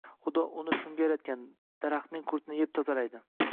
Xudo uni shunga yaratgan, daraxtning qurtini yeb tozalaydi.